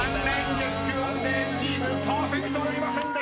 月９ＯＮＥＤＡＹチームパーフェクトなりませんでした］